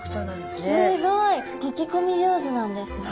すごいとけこみ上手なんですね。